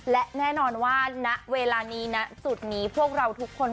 และแน่นอนว่าณเวลานี้นะจุดนี้พวกเราทุกคน